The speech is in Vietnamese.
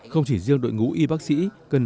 không chỉ riêng đội ngũ y bác sĩ